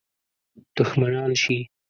دښمنان شي.